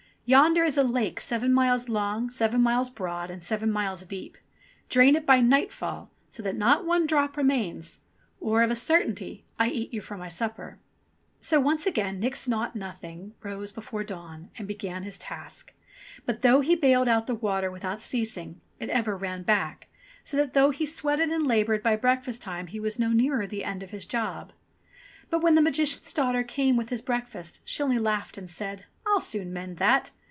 Yonder is a lake seven miles long, seven miles broad, and seven miles deep. Drain it by nightfall, so that not one drop remains, or, of a certainty, I eat you for supper." So once again Nix Naught Nothing rose before dawn, and began his task ; but though he baled out the water without ceas ing, it ever ran back, so that though he sweated and laboured, by breakfast time he was no nearer the end of his job. NIX NAUGHT NOTHING 185 But when the Magician's daughter came with his break fast she only laughed and said, "I'll soon mend that